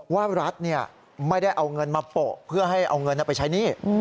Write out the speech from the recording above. ว่ารัฐไม่ได้เอาเงินมาโปะเพื่อให้เอาเงินไปใช้หนี้